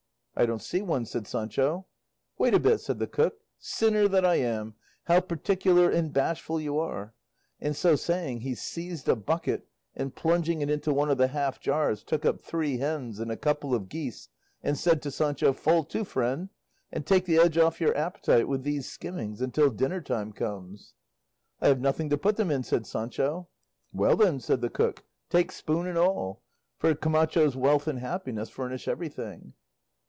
"I don't see one," said Sancho. "Wait a bit," said the cook; "sinner that I am! how particular and bashful you are!" and so saying, he seized a bucket and plunging it into one of the half jars took up three hens and a couple of geese, and said to Sancho, "Fall to, friend, and take the edge off your appetite with these skimmings until dinner time comes." "I have nothing to put them in," said Sancho. "Well then," said the cook, "take spoon and all; for Camacho's wealth and happiness furnish everything."